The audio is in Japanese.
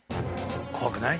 怖くない？